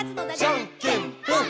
「じゃんけんぽん！！」